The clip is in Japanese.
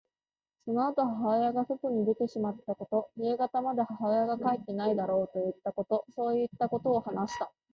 そのあと母親が外に出てしまったこと、夕方まで母親が帰ってこないだろうといったこと、そういったことを話した。